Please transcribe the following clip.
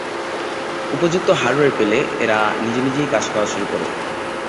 উপযুক্ত হার্ডওয়্যার পেলে এরা নিজে নিজেই কাজ করা শুরু করে।